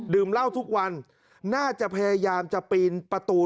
เหล้าทุกวันน่าจะพยายามจะปีนประตู